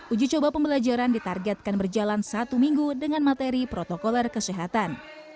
uji coba pembelajaran ditargetkan berjalan satu minggu dengan materi protokoler kesehatan